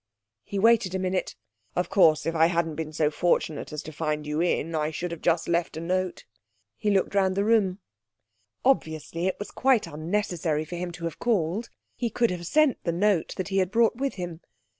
He waited a minute. 'Of course, if I hadn't been so fortunate as to find you in, I should just have left a note.' He looked round the room. Obviously it was quite unnecessary for him to have called; he could have sent the note that he had brought with him.